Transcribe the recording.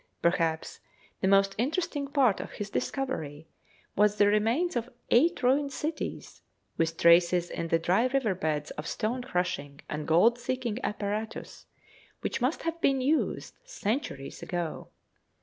Perhaps the most interesting part of his discovery was the remains of eight ruined cities with traces in the dry river beds of stone crushing and gold seeking apparatus, which must have been used centuries ago.